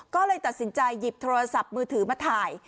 ก็เลยตัดสินใจหยิบโทรศัพท์มือถือมาถ่าย